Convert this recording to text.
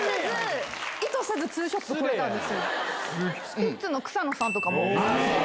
スピッツの草野さんとか。